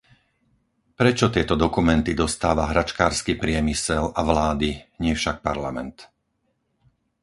Prečo tieto dokumenty dostáva hračkársky priemysel a vlády, nie však Parlament?